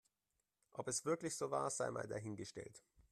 Ob es wirklich so war, sei mal dahingestellt.